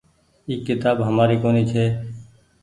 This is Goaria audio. اي ڪيتآب همآري ڪونيٚ ڇي